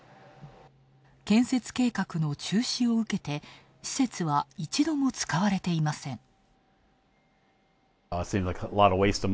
建設計画の中止を受けて施設は一度も使われていません。